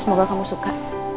semoga kamu suka